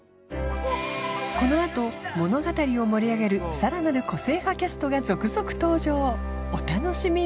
このあと物語を盛り上げるさらなる個性派キャストが続々登場お楽しみに